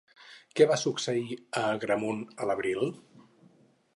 Què va succeir a Agramunt a l'abril?